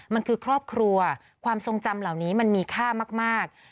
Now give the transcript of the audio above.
มันคือครอบครัวความทรงจำเหล่านี้มันมีค่ามาก